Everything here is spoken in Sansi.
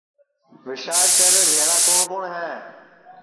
وشال تیرے بھیݪے کُوٹؔ کُوٹؔ ہے